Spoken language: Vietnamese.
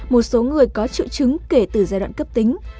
một số người có triệu chứng kể từ giai đoạn cấp tính